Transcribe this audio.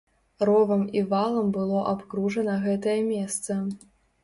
Ровам і валам было абкружана гэтае месца.